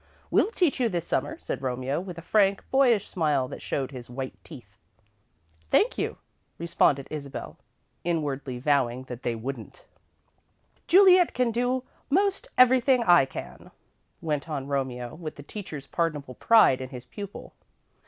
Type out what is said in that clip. "We'll teach you this Summer," said Romeo, with a frank, boyish smile that showed his white teeth. "Thank you," responded Isabel, inwardly vowing that they wouldn't. "Juliet can do most everything I can," went on Romeo, with the teacher's pardonable pride in his pupil.